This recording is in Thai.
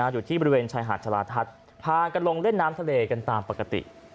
อยู่ที่บริเวณชายหาดชะลาทัศน์พากันลงเล่นน้ำทะเลกันตามปกติ